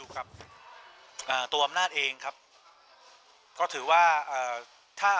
ก็ตอนนี้ก็ขึ้นอยู่ครับ